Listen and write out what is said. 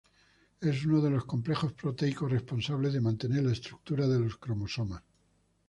Es uno de los complejos proteicos responsables de mantener la estructura de los cromosomas.